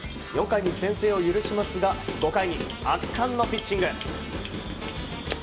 ４回に先制を許しますが５回に圧巻のピッチング！